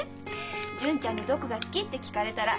純ちゃんのどこが好きって聞かれたら。